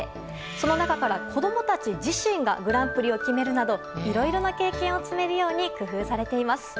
その中から、子供たち自身がグランプリを決めるなどいろいろな経験を積めるように工夫されています。